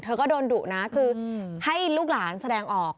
ก็โดนดุนะคือให้ลูกหลานแสดงออก